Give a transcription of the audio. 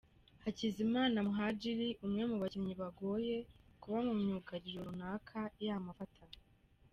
Hakizimana Muhadjili umwe mu bakinnyi bagoye kuba myugariro runaka yamufata.